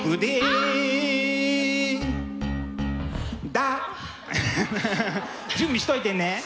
「ダ」準備しといてね！